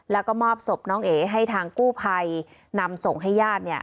แล้วก็มอบศพน้องเอ๋ให้ทางกู้ภัยนำส่งให้ญาติ